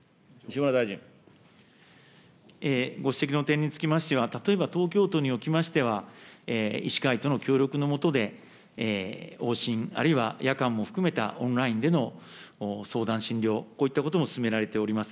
ご指摘の点につきましては、例えば東京都におきましては、医師会との協力の下で、往診、あるいは夜間も含めたオンラインでの相談診療、こういったことも進められております。